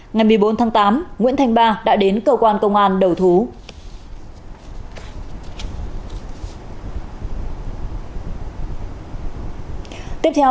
ngày một mươi bốn tháng tám nguyễn thanh ba đã đến cơ quan công an đầu thú